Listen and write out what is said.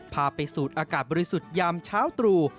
พาไปสูดอากาศบริสุทธิ์ยามเช้าตรู่